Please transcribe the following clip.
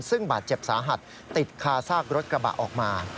ซึ่งบาดเจ็บสาหัสติดคาซากรถกระบะออกมา